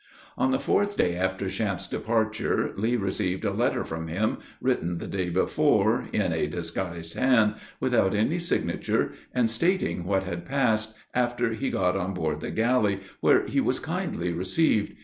On the fourth day after Champe's departure, Lee received a letter from him, written the day before, in a disguised hand, without any signature, and stating what had passed, after he got on board the galley, where he was kindly received.